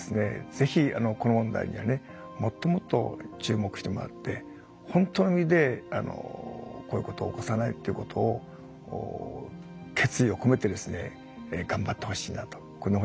ぜひこの問題にはねもっともっと注目してもらって本当の意味でこういうことを起こさないっていうことを決意を込めてですね頑張ってほしいなとこんなふうに思ってます。